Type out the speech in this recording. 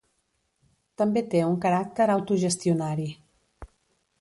També té un caràcter autogestionari.